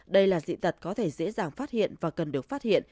đây là dị tật có thể dễ dàng phát hiện và cần được phát hiện